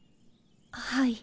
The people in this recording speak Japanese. はい。